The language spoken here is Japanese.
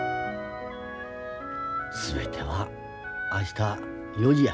全ては明日４時や。